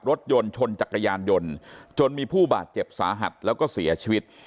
รถยนต์ชนจักรยานยนต์จนมีผู้บาดเจ็บสาหัสแล้วก็เสียชีวิต